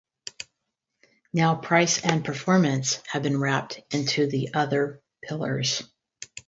Now Price and Performance have been wrapped into the other pillars.